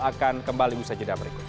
akan kembali bisa jadi amrikot